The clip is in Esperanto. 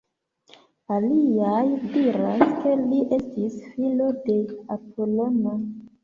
Aliaj diras ke li estis filo de Apolono.